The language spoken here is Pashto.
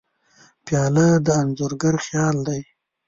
پیاله د انځورګر خیال دی.